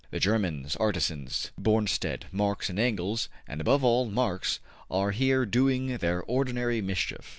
``The Germans, artisans, Bornstedt, Marx and Engels and, above all, Marx are here, doing their ordinary mischief.